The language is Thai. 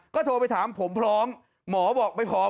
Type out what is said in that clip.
ก็โทรไปถามผมพร้อมหมอบอกไม่พร้อม